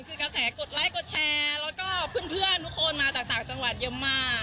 คือกระแสกดไลค์กดแชร์แล้วก็เพื่อนทุกคนมาจากต่างจังหวัดเยอะมาก